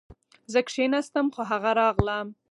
زه کښېناستم خو هغه راغله